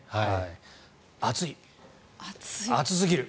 暑い、暑すぎる。